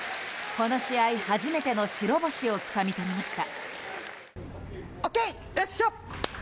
この試合初めての白星をつかみ取りました。